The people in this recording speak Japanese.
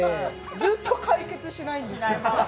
ずっと解決しないんですよ。